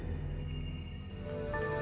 dan ingin digunakan juta